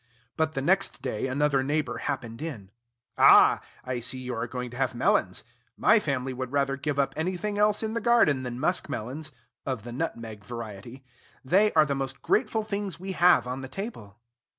But, the next day, another neighbor happened in. "Ah! I see you are going to have melons. My family would rather give up anything else in the garden than musk melons, of the nutmeg variety. They are the most grateful things we have on the table."